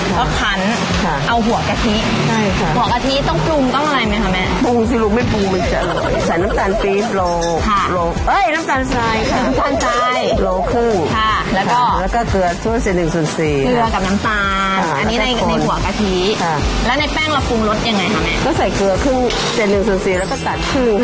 ก็คันเอาหัวกะทิใช่ค่ะ